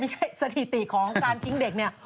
เศรษฐกิจของการทิ้งเด็กเนี่ย